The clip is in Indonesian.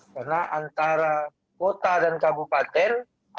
karena antara kota dan kabupaten